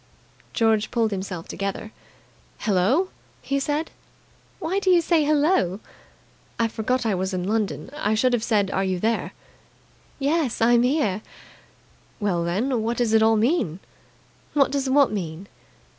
George pulled himself together. "Hello!" he said. "Why do you say 'Hello'?" "I forgot I was in London. I should have said 'Are you there?'" "Yes, I'm here." "Well, then, what does it all mean?" "What does what mean?"